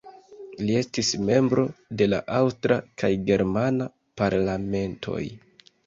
Li estis membro de la aŭstra kaj germana parlamentoj.